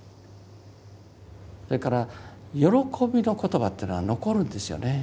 それから喜びの言葉っていうのは残るんですよね。